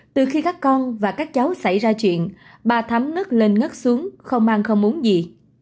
từ khi các con và các cháu xảy ra chuyện bà thấm ngất lên ngất xuống không ăn không uống gì